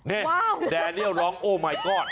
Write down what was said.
เนี่ยแดนี๊ยีลร้องโอ้มายก๊อด